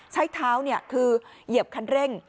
ใช้เท้าคือเหยียบคันเร่ง